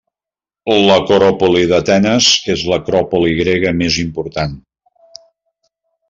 L'Acròpoli d'Atenes és l'acròpoli grega més important.